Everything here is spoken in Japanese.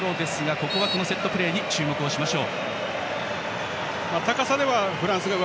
ここはセットプレーに注目しましょう。